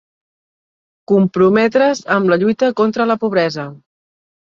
Comprometre's amb la lluita contra la pobresa.